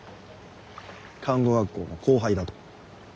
「看護学校の後輩だ」と。